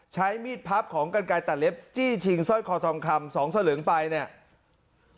ใช้มีดพับของกรรไกรตัดเล็บจี้ชิงซ่อยคอทองคำ๒ซ่อเหลืองไปเนี่ย